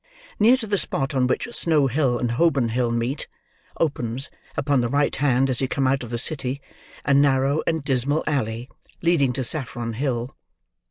Near to the spot on which Snow Hill and Holborn Hill meet, opens, upon the right hand as you come out of the City, a narrow and dismal alley, leading to Saffron Hill.